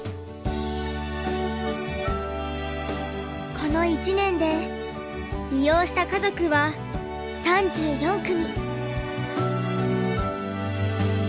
この１年で利用した家族は３４組。